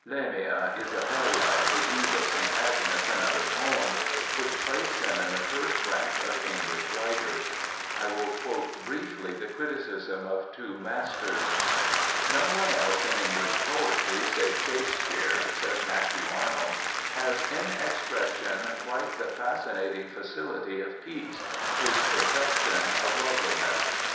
Lamia, Isabella, The Eve of St. Agnes, and other poems, which placed him in the first rank of English writers. I will quote briefly the criticisms of two masters. ' No one else in English poetry save Shakespeare,' says Matthew Arnold, * has in expression quite the fascinating facility of Keats, his perfection of loveliness.